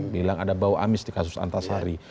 bilang ada bau amis di kasus antasari